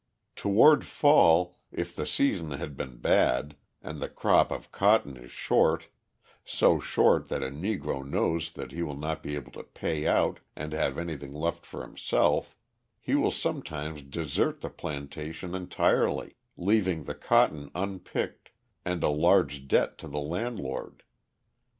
Toward fall, if the season has been bad, and the crop of cotton is short, so short that a Negro knows that he will not be able to "pay out" and have anything left for himself, he will sometimes desert the plantation entirely, leaving the cotton unpicked and a large debt to the landlord.